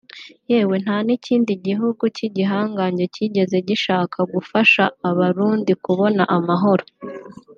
yewe nta n’ikindi gihugu cy’igihangange kigeze gishaka gufasha Abarundi kubona amahoro